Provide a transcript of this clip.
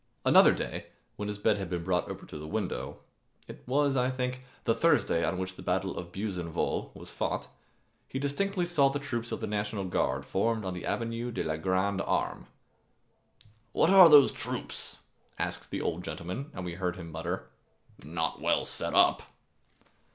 Another day, when his bed had been brought over to the window (it was, I think, the Thursday on which the battle of Buzenval was fought), he distinctly saw the troops of the National Guard formed on the Avenue de la Grand Armé. "What are those troops?" asked the old gentleman, and we heard him mutter, "Not well set up."